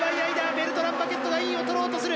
ベルトラン・バゲットがインを取ろうとする！